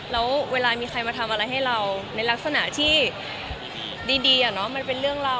แล้วเวลามีใครมาทำอะไรให้เราในลักษณะที่ดีมันเป็นเรื่องเรา